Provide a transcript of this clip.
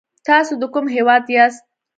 تاسو د کوم هېواد یاست ؟